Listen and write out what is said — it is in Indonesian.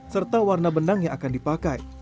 serta warna benang yang akan dipakai